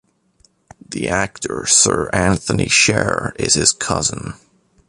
The actor Sir Antony Sher is his cousin.